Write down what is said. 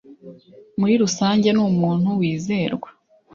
Muri rusange, ni umuntu wizerwa.